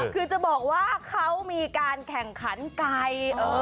คือจะบอกว่าเขามีการแข่งขันไก่